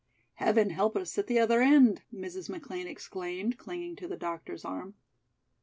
"Heaven help us at the other end," Mrs. McLean exclaimed, clinging to the doctor's arm.